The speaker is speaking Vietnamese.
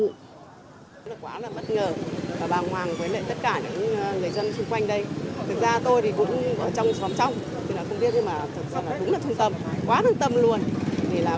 quá là bất ngờ và bàng hoàng với tất cả những người dân xung quanh đây